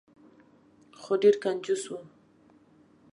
خو ډیر کنجوس و.